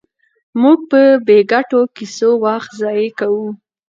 موږ په بې ګټې کیسو وخت ضایع کوو.